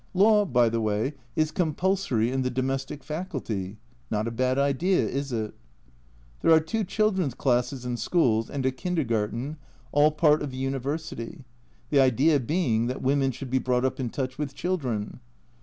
Law, by the way, is compulsory in the Domestic faculty not a bad idea, is it? There are two children's classes and schools, and a kindergarten, all part of the University the idea being that women should be brought up in touch with children.